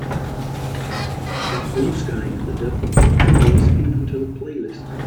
Add Blue Sky and the Devil to mai's Infantil playlist.